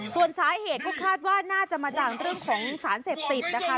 ส่วนสาเหตุก็คาดว่าน่าจะมาจากเรื่องของสารเสพติดนะคะ